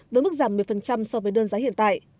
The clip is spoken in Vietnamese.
với mức giảm một mươi so với đơn giá hiện tại